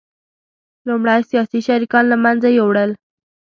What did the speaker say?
لومړی سیاسي شریکان له منځه یوړل